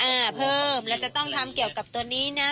อ่าเพิ่มแล้วจะต้องทำเกี่ยวกับตัวนี้นะ